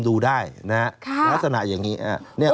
ดูได้นะฮะลักษณะอย่างนี้